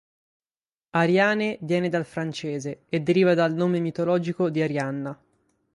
Ariane viene dal francese, e deriva dal nome mitologico di Arianna.